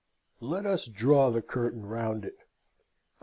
Let us draw the curtain round it.